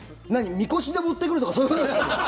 みこしで持ってくるとかそういうことですか？